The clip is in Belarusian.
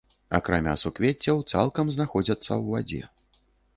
Акрамя суквеццяў цалкам знаходзяцца ў вадзе.